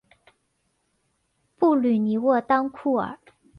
布吕尼沃当库尔。